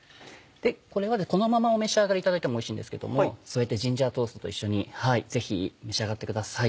これはこのままお召し上がりいただいてもおいしいんですけども添えてジンジャートーストと一緒にぜひ召し上がってください。